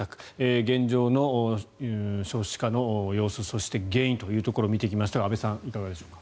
現状の少子化の様子そして原因というところを見てきましたが安部さん、いかがでしょうか。